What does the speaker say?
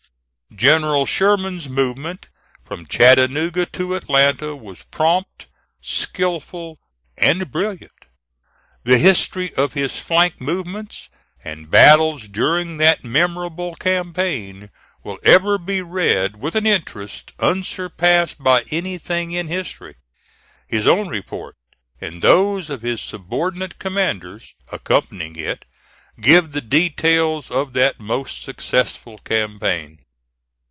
General Sherman's movement from Chattanooga to Atlanta was prompt, skilful, and brilliant. The history of his flank movements and battles during that memorable campaign will ever be read with an interest unsurpassed by anything in history. His own report, and those of his subordinate commanders, accompanying it, give the details of that most successful campaign.